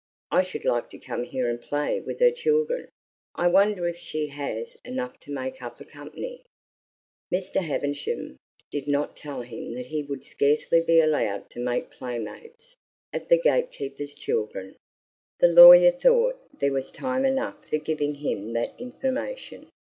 I should like to come here and play with her children. I wonder if she has enough to make up a company?" Mr. Havisham did not tell him that he would scarcely be allowed to make playmates of the gate keeper's children. The lawyer thought there was time enough for giving him that information.